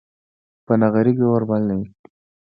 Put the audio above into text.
په نغري کې اور بل دی